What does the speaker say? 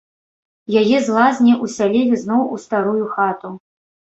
Яе з лазні ўсялілі зноў у старую хату.